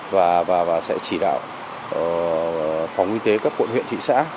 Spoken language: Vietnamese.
và sẽ chỉ đạo phòng y tế các quận huyện thị xã